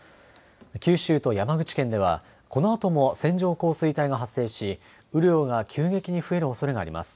九州と山口県ではこのあとも線状降水帯が発生し雨量が急激に増えるおそれがあります。